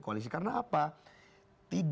kau gak ngerti